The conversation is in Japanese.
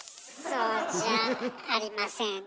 そうじゃありません。